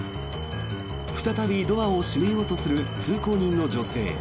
再びドアを閉めようとする通行人の女性。